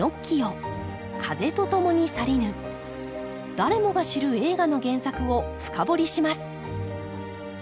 誰もが知る映画の原作を深掘りします。